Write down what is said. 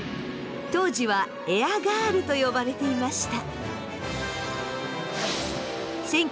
当時はエアガールと呼ばれていました。